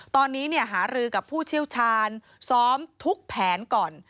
ตอนนี้หารือกับผู้เชี่ยวชาญซ้อมทุกแผนก่อน